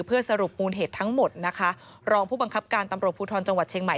เพื่อสรุปมูลเหตุทั้งหมดนะคะรองผู้บังคับการตำรวจภูทรจังหวัดเชียงใหม่